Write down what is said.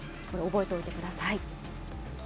覚えておいてください。